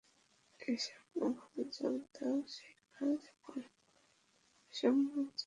এই সাম্যভাবে যোগ দাও! সেই কার্যে পরিণত সাম্যই জয়যুক্ত হইল।